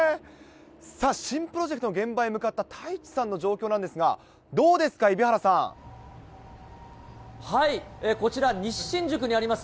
さあ、新プロジェクトの現場へ向かった太一さんの状況なんですが、こちら、西新宿にあります